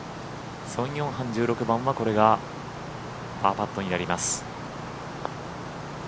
ソン・ヨンハン、１６番はこれがパーパットになります。